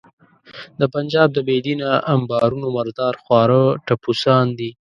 د پنجاب د بې دینه امبارونو مردار خواره ټپوسان دي.